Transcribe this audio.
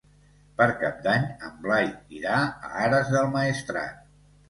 Per Cap d'Any en Blai irà a Ares del Maestrat.